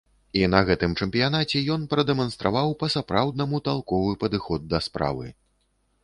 І на гэтым чэмпіянаце ён прадэманстраваў па-сапраўднаму талковы падыход да справы.